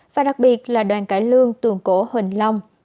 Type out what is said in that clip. và đặc biệt là đoàn cải lương tường cổ huỳnh long